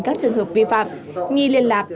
các trường hợp vi phạm nhi liên lạc